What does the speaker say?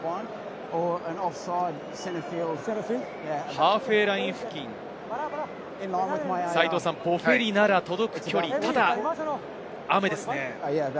ハーフウェイライン付近、ボフェリなら届く距離、ただ雨ですね。